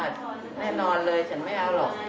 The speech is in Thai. ใช่ไหม